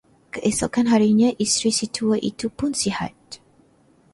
Keesokan harinya isteri si tua itupun sihat.